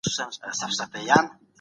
د اورېدلو په پرتله لیکل حافظه قوي کوي.